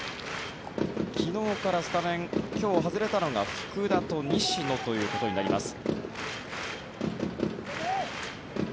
昨日のスタメンで今日外れたのが福田と西野ということになります。